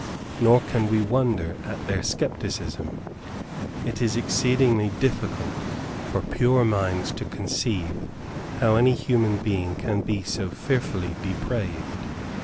Nor can we wonder at their skepticism. It is exceedingly difficult for pure minds to conceive how any human being can be so fearfully depraved.